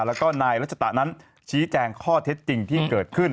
แล้วก็นายรัชตะนั้นชี้แจงข้อเท็จจริงที่เกิดขึ้น